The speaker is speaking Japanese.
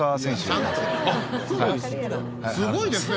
「すごいですね」